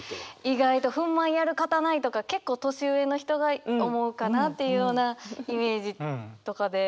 意外と「憤懣やるかたない」とか結構年上の人が思うかなっていうようなイメージとかで。